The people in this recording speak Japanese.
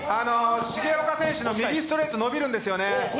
重岡選手の右ストレート伸びるんですよね。